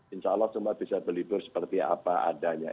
insya allah semua bisa berlibur seperti apa adanya